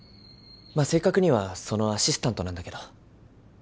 まあ正確にはそのアシスタントなんだけど。